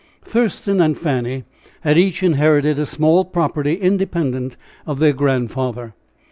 Thurston and Fanny had each inherited a small property independent of their grandfather.